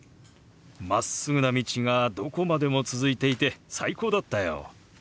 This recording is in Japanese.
まっすぐな道がどこまでも続いていて最高だったよ。